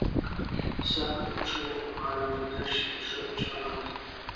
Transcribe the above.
سګ چو عالم ګشت شد چالاک.